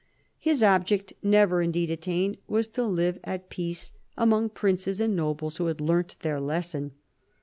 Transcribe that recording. His object, never indeed attained, was to live at peace among princes and 248 CARDINAL DE RICHELIEU nobles who had learnt their lesson.